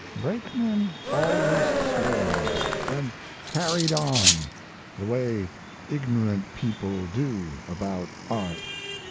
Brakemen always swore at it and carried on, the way ignorant people do about art.